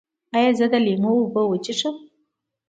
ایا زه د لیمو اوبه وڅښم؟